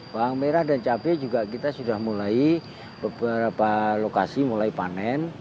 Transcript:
bawang merah dan cabai juga kita sudah mulai beberapa lokasi mulai panen